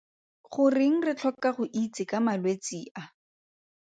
Goreng re tlhoka go itse ka malwetse a?